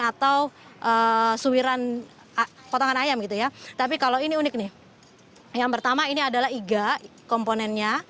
atau suiran potongan ayam gitu ya tapi kalau ini unik nih yang pertama ini adalah iga komponennya